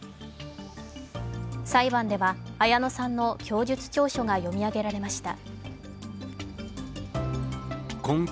裁判では綾野さんの供述調書が読み上げられました。